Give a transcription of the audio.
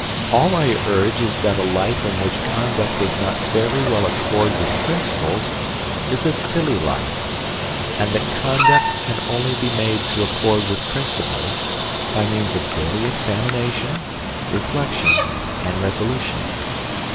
All I urge is that a life in which conduct does not fairly well accord with principles is a silly life; and that conduct can only be made to accord with principles by means of daily examination, reflection, and resolution.